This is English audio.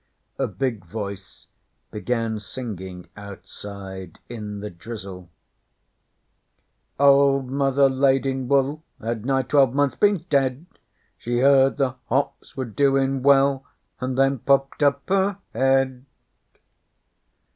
A big voice began singing outside in the drizzle: 'Old Mother Laidinwool had nigh twelve months been dead, She heard the hops were doin' well, and then popped up her head.'